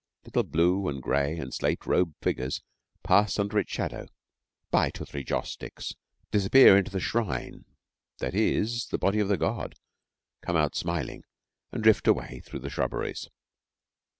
Little blue and gray and slate robed figures pass under its shadow, buy two or three joss sticks, disappear into the shrine, that is, the body of the god, come out smiling, and drift away through the shrubberies.